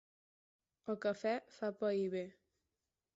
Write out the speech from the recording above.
El cafè fa pair bé.